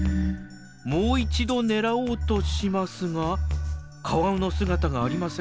もう一度狙おうとしますがカワウの姿がありません。